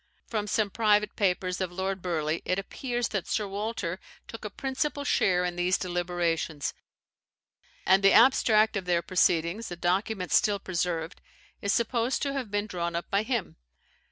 From some private papers of Lord Burleigh, it appears that Sir Walter took a principal share in these deliberations; and the abstract of their proceedings, a document still preserved, is supposed to have been drawn up by him.